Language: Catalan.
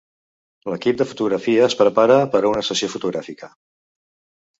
L'equip de fotografia es prepara per a una sessió fotogràfica.